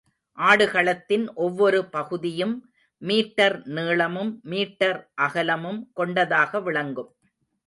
ஆடுகளத்தின் ஒவ்வொரு பகுதியும் மீட்டர் நீளமும் மீட்டர் அகலமும் கொண்டதாக விளங்கும்.